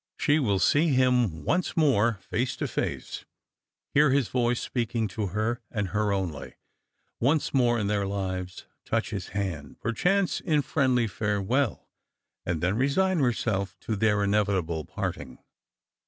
She will see him once more, face to face ; hear his voice speak ing to her, and her only, once more in their lives ; touch his hand, perchance, in friendly farewell, and then resign herself to their inevitable parting.